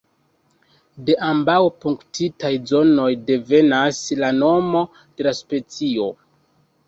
De ambaŭ punktitaj zonoj devenas la nomo de la specio.